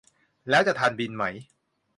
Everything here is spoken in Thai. แล้วจะทันบินไหม